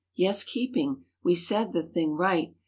Yes, keeping. We said the thing right.